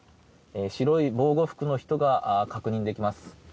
白い防護服の人が確認できます。